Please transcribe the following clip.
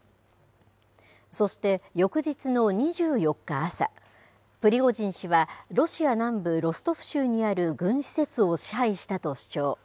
そして翌日の２４日朝、プリゴジン氏はロシア南部ロストフ州にある軍施設を支配したと主張。